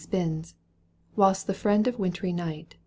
Spins, whilst the friend of wintry night.